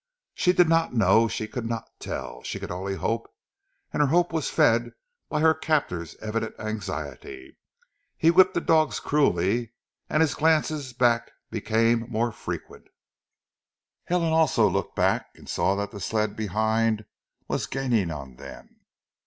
She did not know, she could not tell, she could only hope, and her hope was fed by her captor's evident anxiety. He whipped the dogs cruelly, and his glances back became more frequent. Helen also looked back and saw that the sled behind was gaining on them.